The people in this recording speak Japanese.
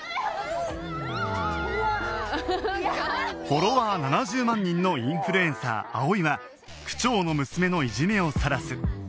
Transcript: フォロワー７０万人のインフルエンサー葵は区長の娘のいじめをさらす